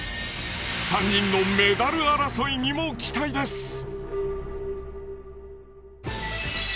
３人のメダル争いにも期待です！